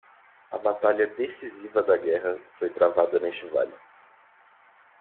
A batalha decisiva da guerra foi travada neste vale.